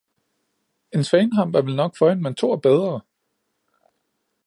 Een Svaneham var vel nok for hende, men to ere bedre.